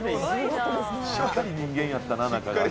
しっかり人間やったなぁ。